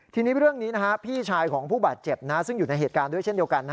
ทีนี้เรื่องนี้พี่ชายของผู้บาดเจ็บซึ่งอยู่ในเหตุการณ์ด้วยเช่นเดียวกัน